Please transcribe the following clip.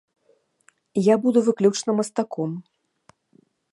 Я буду выключна мастаком.